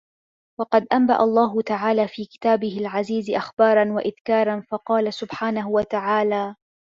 وَقَدْ أَنْبَأَ اللَّهُ تَعَالَى فِي كِتَابِهِ الْعَزِيزِ أَخْبَارًا وَإِذْكَارًا فَقَالَ سُبْحَانَهُ وَتَعَالَى